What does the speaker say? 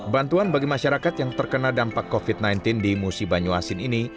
bantuan bagi masyarakat yang terkena dampak covid sembilan belas di musi banyuasin ini